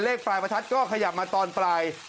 ปลายประทัดก็ขยับมาตอนปลาย